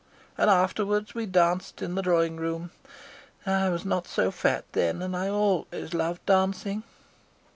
And afterwards we danced in the drawing room. I was not so fat, then, and I always loved dancing."